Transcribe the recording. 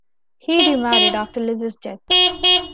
He remarried after Liz's death.